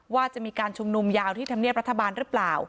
ว่าจะมีการชุมนุมยาวที่ธรรมเนียบรัฐบาลหรือเปล่า